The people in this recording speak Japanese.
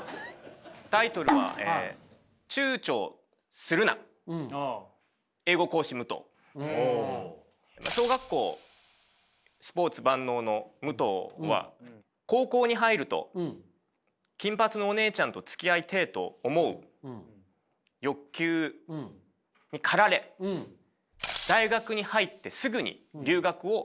タイトルは小学校スポーツ万能の武藤は高校に入ると金髪のおねえちゃんとつきあいてえと思う欲求にかられ大学に入ってすぐに留学を決意します。